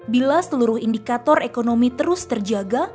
bila seluruh indikator ekonomi terus terjaga